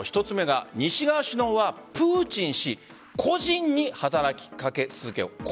１つ目が西側首脳はプーチン氏個人に働きかけ続けよう。